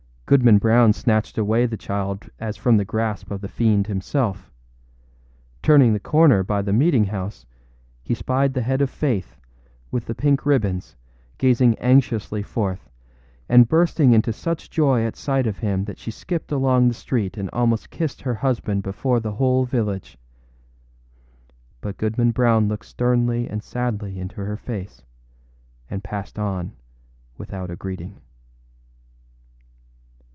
Goodman Brown snatched away the child as from the grasp of the fiend himself. Turning the corner by the meeting house, he spied the head of Faith, with the pink ribbons, gazing anxiously forth, and bursting into such joy at sight of him that she skipped along the street and almost kissed her husband before the whole village. But Goodman Brown looked sternly and sadly into her face, and passed on without a greeting.